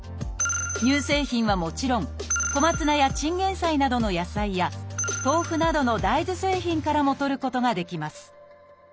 乳製品はもちろんコマツナやチンゲイサイなどの野菜や豆腐などの大豆製品からもとることができます